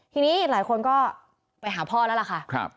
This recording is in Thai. ทีนี้หลายคนก็ไปหาพ่อแล้วล่ะค่ะ